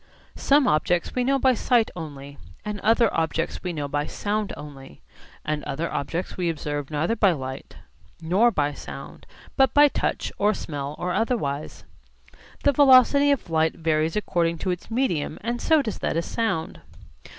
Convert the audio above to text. Some objects we know by sight only, and other objects we know by sound only, and other objects we observe neither by light nor by sound but by touch or smell or otherwise. The velocity of light varies according to its medium and so does that of sound.